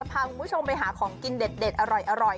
พาคุณผู้ชมไปหาของกินเด็ดอร่อย